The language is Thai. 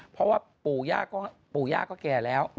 เพราะว่าปู่ย่าก็แก่แล้ว